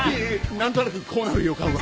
何となくこうなる予感は。